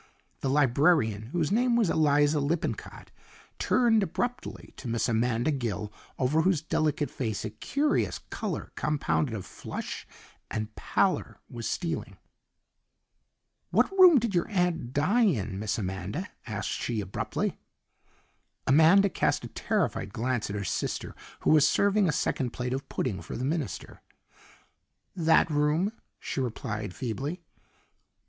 The librarian, whose name was Eliza Lippincott, turned abruptly to Miss Amanda Gill, over whose delicate face a curious colour compounded of flush and pallour was stealing. "What room did your aunt die in, Miss Amanda?" asked she abruptly. Amanda cast a terrified glance at her sister, who was serving a second plate of pudding for the minister. "That room," she replied feebly.